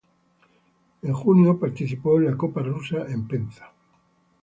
En junio, participó en la Copa Rusa en Penza.